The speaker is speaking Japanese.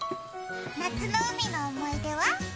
夏の海の思い出は？